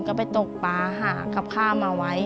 ก็ไปตกปลาหากับข้าวมาไว้